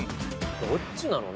どっちなの？